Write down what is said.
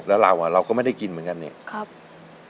แล้วเราก็ไม่ได้กินเหมือนกันเนี่ย